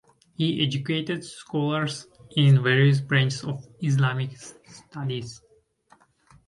He educated scholars in various branches of Islamic studies.